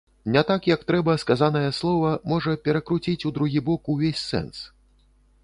Не так як трэба сказанае слова, можа перакруціць у другі бок увесь сэнс.